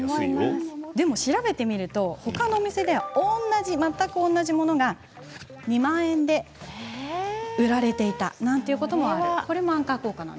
でも調べてみるとほかのお店で全く同じ物が２万円で売られていたなんてこともある。